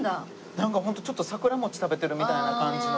なんかホントちょっと桜餅食べてるみたいな感じの。